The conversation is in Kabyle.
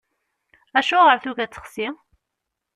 Acuɣer tugi ad texsi?